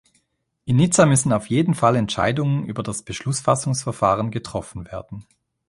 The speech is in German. In Nizza müssen auf jeden Fall Entscheidungen über das Beschlussfassungsverfahren getroffen werden.